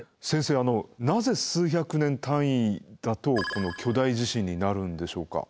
先生あのなぜ数百年単位だとこの巨大地震になるんでしょうか？